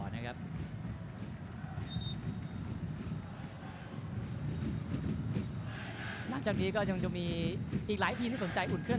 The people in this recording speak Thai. ในอาจารย์ที่นี้ก็ยังก็มีอีกหลายทีที่สนใจอุ่นเครื่อง